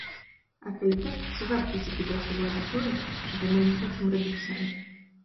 І калі так, ці варта закідаць уладзе тое, чаго мы не хочам рабіць самі?